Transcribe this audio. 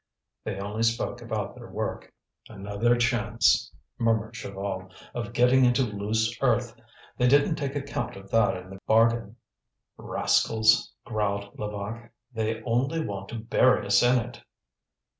They only spoke about their work. "Another chance," murmured Chaval, "of getting into loose earth. They didn't take account of that in the bargain." "Rascals!" growled Levaque. "They only want to bury us in it."